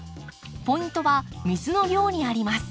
ポイントは水の量にあります。